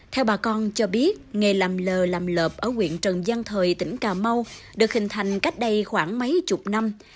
theo bà con cho biết nghề làm lờ làm lợp ở quyện trần giang thời tỉnh cà mau được hình thành cách đây khoảng mấy chục năm